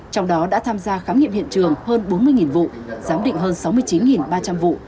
trong đó đã tham gia khám nghiệm hiện trường hơn bốn mươi vụ giám định hơn sáu mươi chín ba trăm linh vụ